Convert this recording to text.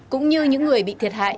cũng như những người bị thiệt hại